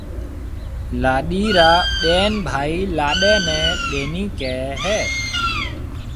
لاڏيِ را ٻين ڀائي لاڏيَ نَي ٻَينِي ڪهيَ هيَ۔